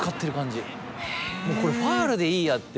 これファウルでいいやって。